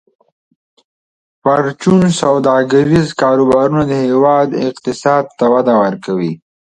پرچون سوداګریز کاروبارونه د هیواد اقتصاد ته وده ورکوي.